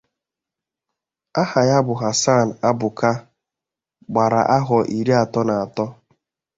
aha ya bụ Hassan Abuka gbara ahọ iri atọ na atọ